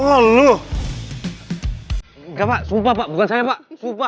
engga pak sumpah pak bukan saya pak